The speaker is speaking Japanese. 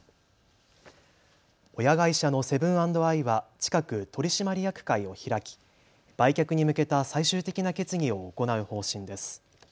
親会社のセブン＆アイは近く取締役会を開き売却に向けた最終的な決議を行う方針です。